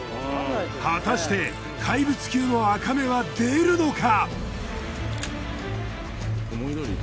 果たして怪物級のアカメは出るのか。